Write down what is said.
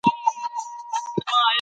هغه په خپل ځان باندې ډېر باور درلود.